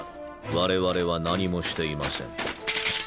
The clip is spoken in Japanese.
われわれは何もしていません。